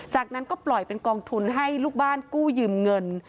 จากนั้นก็ปล่อยเป็นกองทุนให้ลูกบ้านกู้ยืมเงิน